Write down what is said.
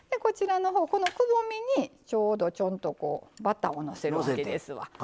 このくぼみにちょうどちょんとバターをのせるわけですわ。